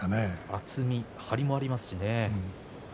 厚み、張りもありますね。